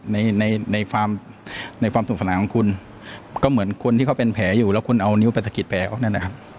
ในในความในความสุขสนาของคุณก็เหมือนคนที่เขาเป็นแผลอยู่แล้วคุณเอานิ้วไปสะกิดแผลเขานั่นนะครับ